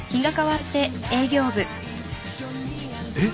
えっ？